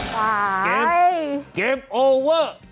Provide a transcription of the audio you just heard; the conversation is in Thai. ว่ายเกมโอเวอร์